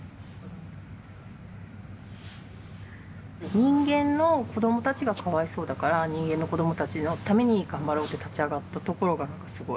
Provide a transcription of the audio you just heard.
人間の子どもたちが可哀想だから人間の子どもたちのために頑張ろうって立ち上がったところが何かすごい。